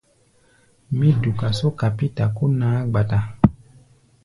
Mí duka só kapíta kó naá-gba-ta.